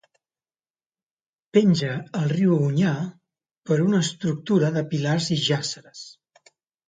Penja al riu Onyar per una estructura de pilars i jàsseres.